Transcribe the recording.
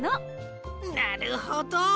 なるほど！